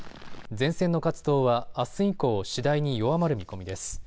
前線の活動はあす以降、次第に弱まる見込みです。